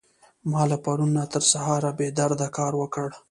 ما له پرون نه تر سهاره بې درده کار وکړ.